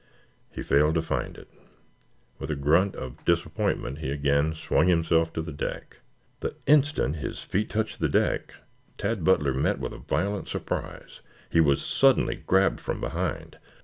He failed to find it. With a grunt of disappointment he again swung himself to the deck. The instant his feet touched the deck, Tad Butler met with a violent surprise. He was suddenly grabbed from behind.